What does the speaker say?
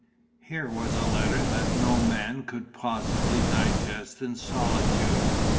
Here was a letter that no young man could possibly digest in solitude.